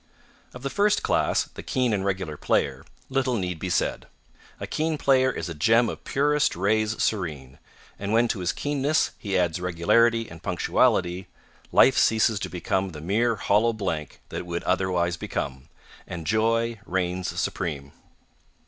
Of the first class, the keen and regular player, little need be said. A keen player is a gem of purest rays serene, and when to his keenness he adds regularity and punctuality, life ceases to become the mere hollow blank that it would otherwise become, and joy reigns supreme.